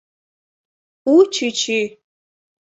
У чӱчӱ